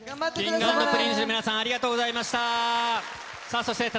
Ｋｉｎｇ＆Ｐｒｉｎｃｅの皆さん、ありがとうございました。